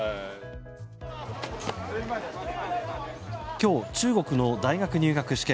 今日、中国の大学入学試験